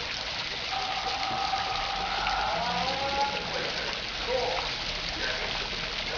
「アア」って声に変えていくと平井堅さんになるっていう。